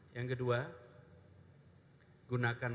yang kedua gunakan